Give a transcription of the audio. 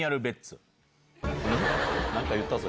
何か言ったぞ